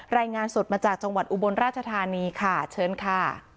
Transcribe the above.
รายงานสดมาจากจังหวัดอุบลราชธานีค่ะเชิญค่ะ